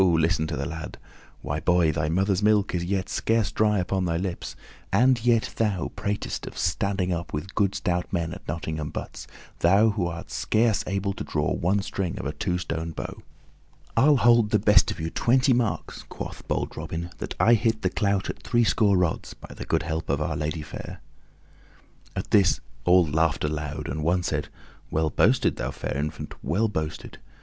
listen to the lad! Why, boy, thy mother's milk is yet scarce dry upon thy lips, and yet thou pratest of standing up with good stout men at Nottingham butts, thou who art scarce able to draw one string of a two stone bow." "I'll hold the best of you twenty marks," quoth bold Robin, "that I hit the clout at threescore rods, by the good help of Our Lady fair." At this all laughed aloud, and one said, "Well boasted, thou fair infant, well boasted!